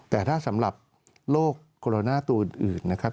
แต่ถ้าสำหรับโรคโคโรนาตัวอื่นนะครับ